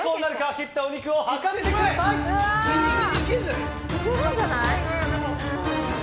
切ったお肉を量ってください！